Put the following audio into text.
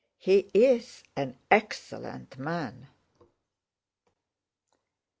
"He is an excellent man!"